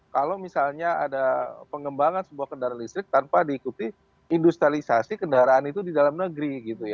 kalau misalnya ada pengembangan sebuah kendaraan listrik tanpa diikuti industrialisasi kendaraan itu di dalam negeri